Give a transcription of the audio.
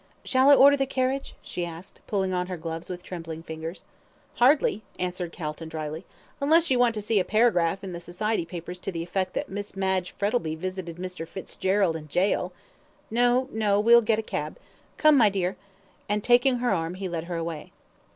"Shall I order the carriage?" she asked, pulling on her gloves with trembling fingers. "Hardly," answered Calton, dryly, "unless you want to see a paragraph in the society papers to the effect that Miss Madge Frettlby visited Mr. Fitzgerald in gaol no no we'll get a cab. Come, my dear," and taking her arm he led her away.